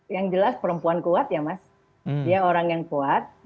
yang jelas perempuan kuat ya mas dia orang yang kuat